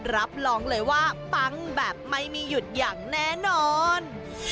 รับรองเลยว่าปังแบบไม่มีหยุดอย่างแน่นอน